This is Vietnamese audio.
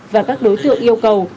và các đối tượng yêu cầu